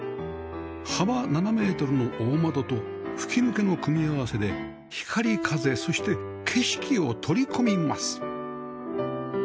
幅７メートルの大窓と吹き抜けの組み合わせで光風そして景色をとり込みます